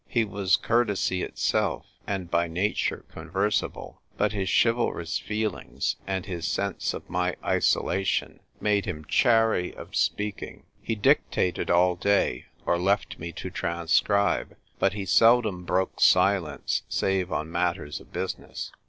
He was courtesy itself, and by nature conversible : but his chivalrous feelings, and his sense of my isolation, made him chary of speaking. He dictated all day, or left me to transcribe ; but he seldom broke silence save on matters of business.